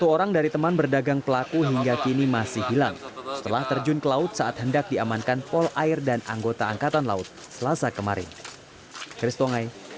satu orang dari teman berdagang pelaku hingga kini masih hilang setelah terjun ke laut saat hendak diamankan pol air dan anggota angkatan laut selasa kemarin